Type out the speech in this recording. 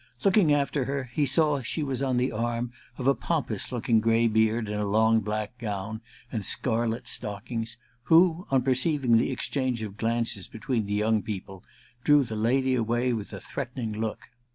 Looking after her, he saw she was on the arm of a pompous looking gray beard in a long black gown and scarlet stockings, who, on perceiving the exchange of glances between the young people, drew the lady away with a threatening look.